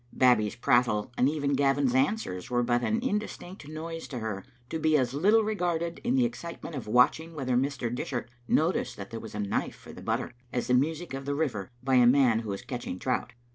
Babbie's prattle, and even Gavin's answers, were but an in distinct noise to her, to be as little regarded, in the excitement of watching whether Mr. Dishart noticed that there was a knife for the butter^ as the music of the river by a man who is catching trout.